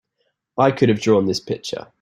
I could have drawn this picture!